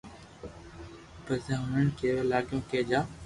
پسي ھوڻين ڪيوا لاگيو ڪي جا